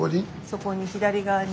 そこに左側に。